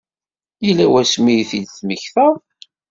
Yella wasmi i t-id-temmektaḍ?